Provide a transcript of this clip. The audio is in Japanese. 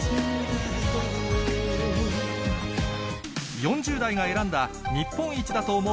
４０代が選んだ日本一だと思う